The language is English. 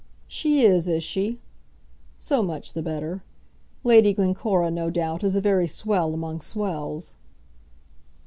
"She is; is she? So much the better. Lady Glencora, no doubt, is a very swell among swells."